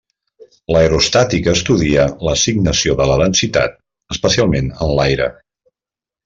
L'aerostàtica estudia l'assignació de la densitat, especialment en l'aire.